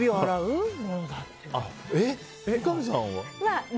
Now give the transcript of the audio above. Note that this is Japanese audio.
三上さんは？